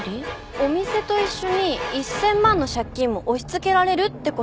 お店と一緒に１０００万の借金も押し付けられるって事ですね。